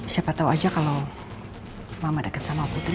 siapa tau aja kalo mama deket sama putri